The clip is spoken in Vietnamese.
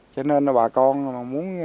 cho nên là bà con muốn